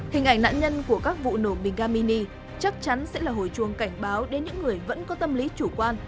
hình ảnh nạn nhân của các vụ nổ bình ga mini chắc chắn sẽ là hồi chuông cảnh báo đến những người vẫn có tâm lý chủ quan